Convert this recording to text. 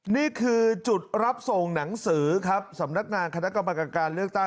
นี่คือจุดรับส่งหนังสือครับสำนักงานคณะกรรมการเลือกตั้ง